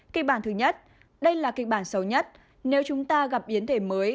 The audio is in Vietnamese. kịch bản thứ nhất đây là kịch bản xấu nhất nếu chúng ta gặp biến thể mới